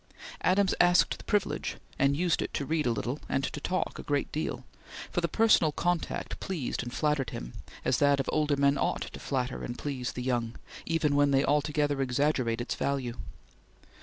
Adams asked the privilege, and used it to read a little, and to talk a great deal, for the personal contact pleased and flattered him, as that of older men ought to flatter and please the young even when they altogether exaggerate its value.